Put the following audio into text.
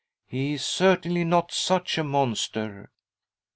He is certainly not such a monster.'